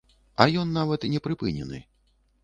А ён нават не прыпынены!